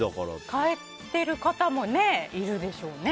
変えてる方もいるでしょうね。